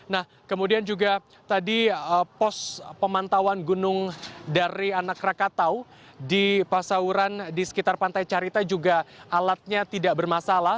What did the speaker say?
nah kemudian juga tadi pos pemantauan gunung dari anak rakatau di pasauran di sekitar pantai carita juga alatnya tidak bermasalah